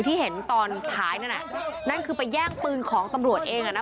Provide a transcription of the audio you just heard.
ที่เห็นตอนท้ายนั่นน่ะนั่นคือไปแย่งปืนของตำรวจเองอ่ะนะคะ